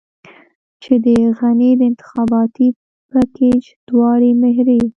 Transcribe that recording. چې د غني د انتخاباتي پېکج دواړې مهرې.